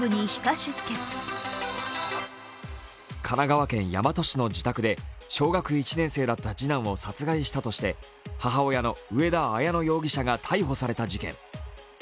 神奈川県大和市の自宅で小学１年生だった次男を殺害したとして母親の上田綾乃容疑者が逮捕された事件。